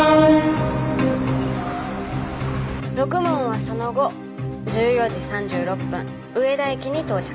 ろくもんはその後１４時３６分上田駅に到着。